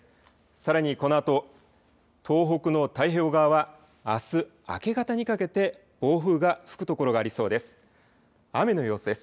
さらにこのあと東北の太平洋側はあす、明け方にかけて暴風が吹くところがありそうです。